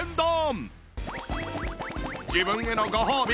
自分へのご褒美